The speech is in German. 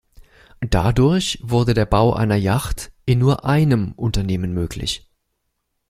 Dadurch wurde der Bau einer Yacht in nur einem Unternehmen möglich.